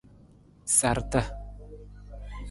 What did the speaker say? Sarta.